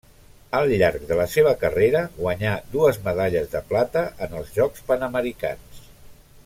Al llarg de la seva carrera guanyà dues medalles de plata en els Jocs Panamericans.